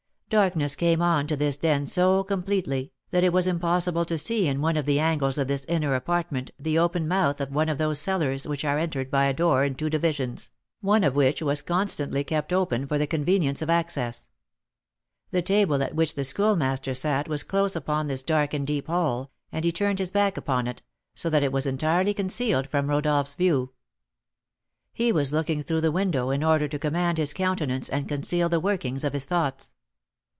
Darkness came on to this den so completely, that it was impossible to see in one of the angles of this inner apartment the open mouth of one of those cellars which are entered by a door in two divisions, one of which was constantly kept open for the convenience of access. The table at which the Schoolmaster sat was close upon this dark and deep hole, and he turned his back upon it, so that it was entirely concealed from Rodolph's view. He was looking through the window, in order to command his countenance and conceal the workings of his thoughts.